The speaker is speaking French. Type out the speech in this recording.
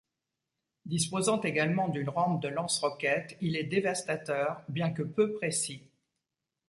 Disposant également d'une rampe de lance-roquette, il est dévastateur, bien que peu précis.